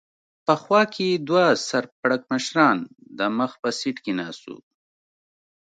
په خوا کې یې دوه سر پړکمشران د مخ په سېټ کې ناست و.